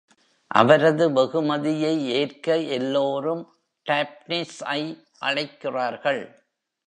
அவரது வெகுமதியை ஏற்க எல்லோரும் டாப்னிஸ்-ஐ அழைக்கிறார்கள்.